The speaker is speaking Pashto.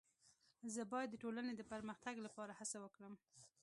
زه باید د ټولني د پرمختګ لپاره هڅه وکړم.